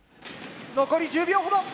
残り１０秒ほど！